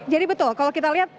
jadi betul kalau kita lihat